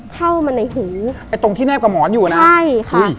เข้ามาในหูไอ้ตรงที่แนบกับหมอนอยู่นะใช่ค่ะ